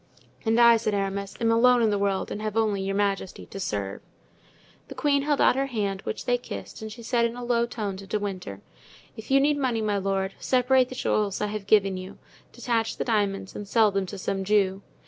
"And I," said Aramis, "I am alone in the world and have only your majesty to serve." The queen held out her hand, which they kissed, and she said in a low tone to De Winter: "If you need money, my lord, separate the jewels I have given you; detach the diamonds and sell them to some Jew.